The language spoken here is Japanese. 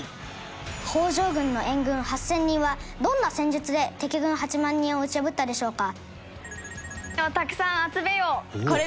北条軍の援軍８０００人はどんな戦術で敵軍８万人を打ち破ったでしょうか？